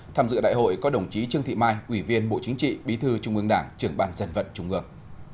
tham dự đại hội có đồng chí trương thị mai ủy viên bộ chính trị bí thư trung ương đảng trưởng bàn dân vận trung ương